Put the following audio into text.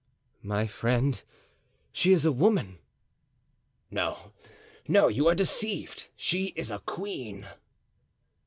"My friend, she is a woman." "No, no, you are deceived—she is a queen."